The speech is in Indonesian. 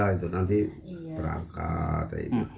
itu nanti berangkat